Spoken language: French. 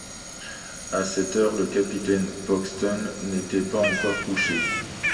À cette heure, le capitaine Paxton n’était pas encore couché.